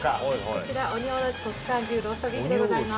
こちら、鬼おろし国産牛ローストビーフでございます。